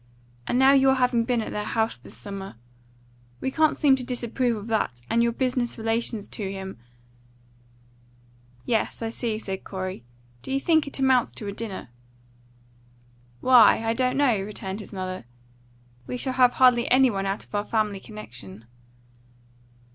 And now your having been at their house this summer we can't seem to disapprove of that; and your business relations to him " "Yes, I see," said Corey. "Do you think it amounts to a dinner?" "Why, I don't know," returned his mother. "We shall have hardly any one out of our family connection."